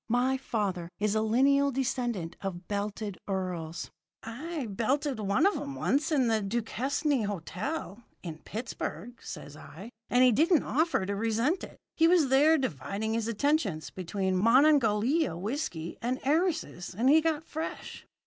My father is a lineal descendant of belted earls.' "'I belted one of 'em once in the Duquesne Hotel, in Pittsburgh,' says I, 'and he didn't offer to resent it. He was there dividing his attentions between Monongahela whiskey and heiresses, and he got fresh.'